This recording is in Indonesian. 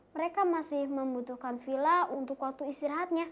mereka masih membutuhkan villa